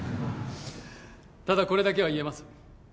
ただこれだけは言えます